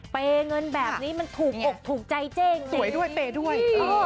เปรย์เงินแบบนี้มันถูกออกถูกใจเจ๊เจ๊ดูด้วย